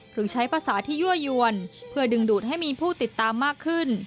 หรือใช้ภาษาที่ยั่วยวนเพื่อดึงดูดให้มีผู้ติดตามมากขึ้น